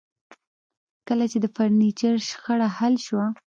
کله چې د فرنیچر شخړه حل شوه